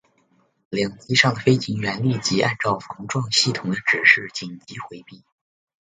两机上的飞行员立即按照防撞系统的指示紧急回避。